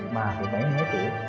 ba tuổi mấy mấy tuổi